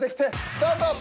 スタート。